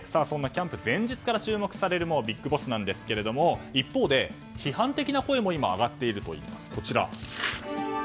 そんなキャンプ前日から注目されるビッグボスなんですが一方で批判的な声も上がっているといいます。